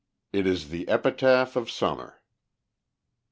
"It is the epitaph of Summer."